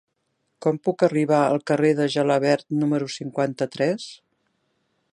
Com puc arribar al carrer de Gelabert número cinquanta-tres?